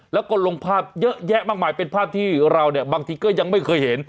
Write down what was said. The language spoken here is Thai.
แล้วก็ลงภาพเยอะแยะมากมายเป็นภาพที่เราเนี่ยบางทีก็ยังไม่เคยเห็น